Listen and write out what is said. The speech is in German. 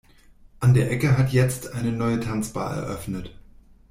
An der Ecke hat jetzt eine neue Tanzbar eröffnet.